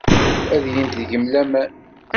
Ad gent deg-m laman.